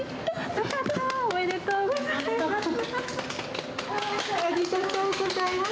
よかったー、おめでとうございます。